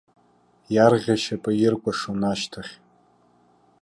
Иарӷьа шьапы иркәашон, ашьҭахь.